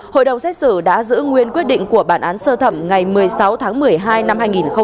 hội đồng xét xử đã giữ nguyên quyết định của bản án sơ thẩm ngày một mươi sáu tháng một mươi hai năm hai nghìn một mươi bảy